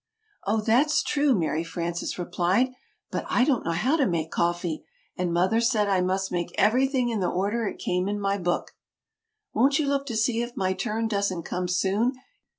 "Oh, that's true," Mary Frances replied, "but I don't know how to make coffee, and Mother said I must make everything in the order it came in my book " "Won't you look to see if my turn doesn't come soon?"